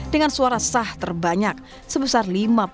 dengan suara sah terbanyak sebesar lima puluh delapan sembilan puluh